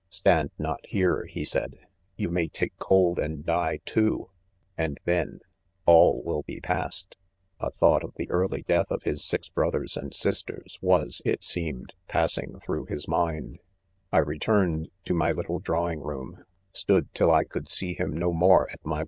" Stand not here," he 'said, "you may take cold and die too, — and then— all will be past" A thought of the early death' of his six brothers and sisters, was, it , seemed, passing through his mind. ■ 4 •••*•:' I returned r to my little drawing room, stood till I could see |him • no more at my.